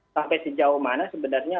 sampai sejauh mana sebenarnya